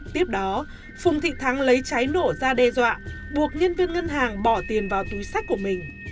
tiếp đó phùng thị thắng lấy trái nổ ra đe dọa buộc nhân viên ngân hàng bỏ tiền vào túi sách của mình